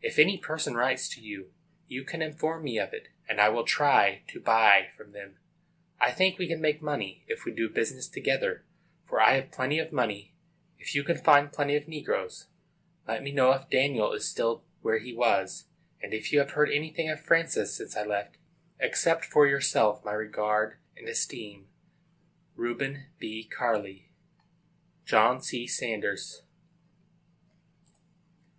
If any person writes to you, you can inform me of it, and I will try to buy from them. I think we can make money, if we do business together; for I have plenty of money, if you can find plenty of negroes. Let me know if Daniel is still where he was, and if you have heard anything of Francis since I left you. Accept for yourself my regard and esteem. REUBEN B. CARLLEY. JOHN C. SAUNDERS.